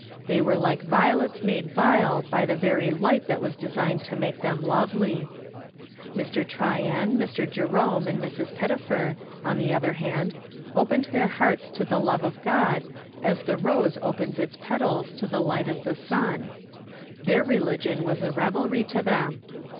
They were like violets made vile by the very light that was designed to make them lovely. Mr. Tryan, Mr. Jerome and Mrs. Pettifer, on the other hand, opened their hearts to the love of God as the rose opens its petals to the light of the sun. Their religion was a revelry to them.